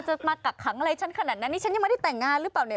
มันจะมากับขั้งไหนฉันขนาดนั้นนี่ฉันยังไม่ได้แต่งงานรึเปล่า